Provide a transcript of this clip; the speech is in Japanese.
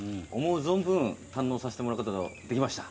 存分堪能させてもらうことができました。